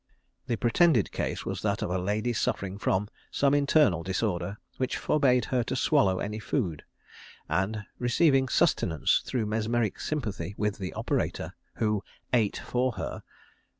The pretended case was that of a lady suffering from some internal disorder which forbade her to swallow any food, and receiving sustenance through mesmeric sympathy with the operator, who "_ate for her.